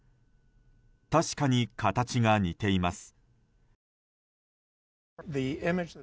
確かに形が似ています。